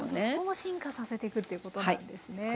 そこも進化させていくっていうことなんですね。